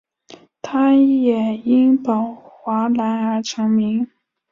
他也因宝华蓝而成名。